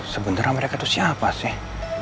sebenarnya mereka itu siapa sih